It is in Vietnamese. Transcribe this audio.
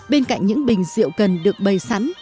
bên cạnh những bình rượu cần được bày sẵn